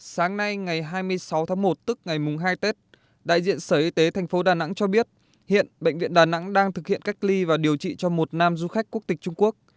sáng nay ngày hai mươi sáu tháng một tức ngày mùng hai tết đại diện sở y tế tp đà nẵng cho biết hiện bệnh viện đà nẵng đang thực hiện cách ly và điều trị cho một nam du khách quốc tịch trung quốc